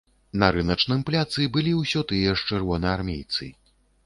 На рыначным пляцы былі ўсё тыя ж чырвонаармейцы.